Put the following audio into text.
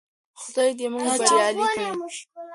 خدای دې موږ بريالي کړي.